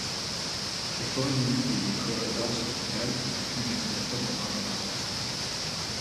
Les forêts humides et les forêts denses tropicales constituent l'habitat favorable à leur croissance.